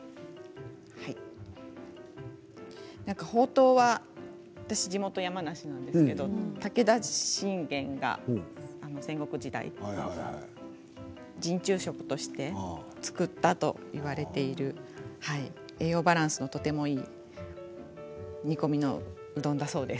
ほうとうは私、地元山梨なんですけど武田信玄が戦国時代、陣中食として作ったといわれている栄養バランスのとてもいい煮込みのうどんだそうです。